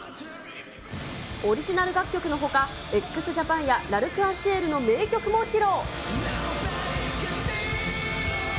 オリジナル楽曲のほか、ＸＪＡＰＡＮやＬ’ＡｒｃｅｎＣｉｅｌの名曲も披露。